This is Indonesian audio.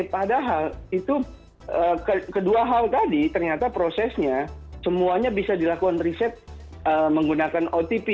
padahal itu kedua hal tadi ternyata prosesnya semuanya bisa dilakukan riset menggunakan otp